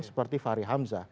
seperti fahri hamzah